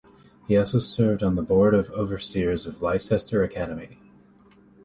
He also served on the Board of Overseers of Leicester Academy.